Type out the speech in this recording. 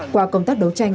qua công tác đấu tranh